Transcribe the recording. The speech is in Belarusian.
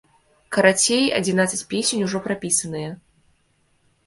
Карацей, адзінаццаць песень ужо прапісаныя.